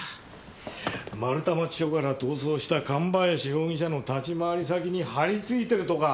丸太町署から逃走した神林容疑者の立ち回り先に張りついてるとか。